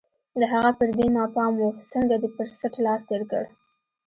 د هغه پر دې ما پام و، څنګه دې پر څټ لاس تېر کړ؟